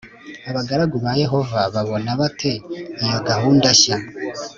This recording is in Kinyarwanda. Abagaragu ba Yehova babona bate iyo gahunda nshya